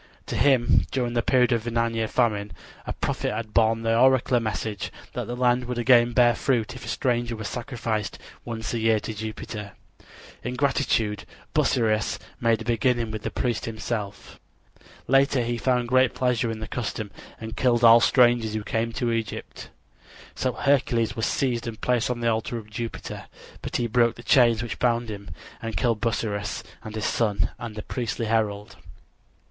To him during the period of a nine year famine a prophet had borne the oracular message that the land would again bear fruit if a stranger were sacrificed once a year to Jupiter. In gratitude Busiris made a beginning with the priest himself. Later he found great pleasure in the custom and killed all strangers who came to Egypt. So Hercules was seized and placed on the altar of Jupiter. But he broke the chains which bound him, and killed Busiris and his son and the priestly herald.